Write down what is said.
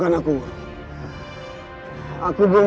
kalau kamu sendiri seorang orang